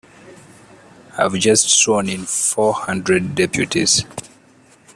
I've just sworn in four hundred deputies.